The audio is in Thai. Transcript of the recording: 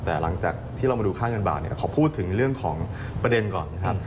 แต่หลังจากที่เรามาดูค่าเงินบาทเนี่ยขอพูดถึงเรื่องของประเด็นก่อนนะครับ